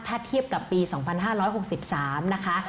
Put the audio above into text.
ถ้าเทียบกับปี๒๕๖๓นะคะ